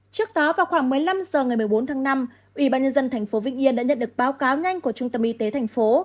trước đó vào khoảng một mươi năm h ngày một mươi bốn tháng năm ủy ban nhân dân tp vĩnh yên đã nhận được báo cáo nhanh của trung tâm y tế thành phố